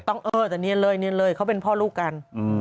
ต้องเอ่อแต่เนียนเลยเขาเป็นพ่อลูกกัน